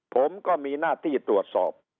ผมก็มีหน้าที่ตรวจสอบ